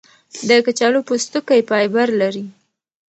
د کچالو پوستکی فایبر لري.